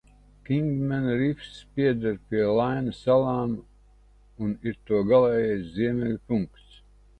Kingmena rifs pieder pie Laina salām un ir to galējais ziemeļu punkts.